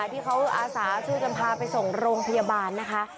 ที่เขาอาสาช่วยกันพาไปส่งโรงพยาบาลนะคะ